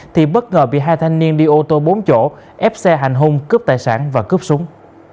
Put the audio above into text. thì bất ngờ bị hai thanh niên đi ô tô bốn chỗ ép xe hành hung cướp tài sản và cướp súng